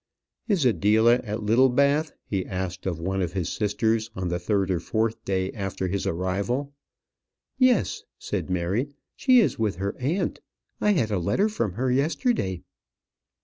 "Is Adela at Littlebath?" he asked of one of his sisters, on the third or fourth day after his arrival. "Yes," said Mary. "She is with her aunt. I had a letter from her yesterday."